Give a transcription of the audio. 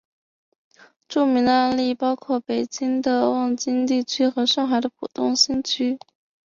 著名的案例包括北京的望京地区和上海的浦东新区。